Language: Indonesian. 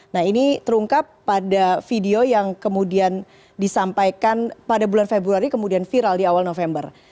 nah ini terungkap pada video yang kemudian disampaikan pada bulan februari kemudian viral di awal november